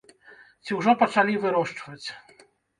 Ці ўжо пачалі вырошчваць?